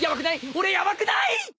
俺ヤバくない！？